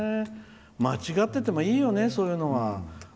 間違っててもいいよねそういうのは。